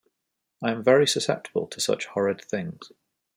I am very susceptible to such horrid things.